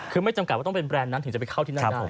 คือไม่จำกัดว่าต้องเป็นแรนด์นั้นถึงจะไปเข้าที่นั่นได้